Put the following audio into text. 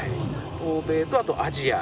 欧米とあとアジア。